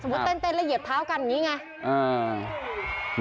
หรือพอเต้นแล้วเหยียบเท้ากันแบบนี้ไง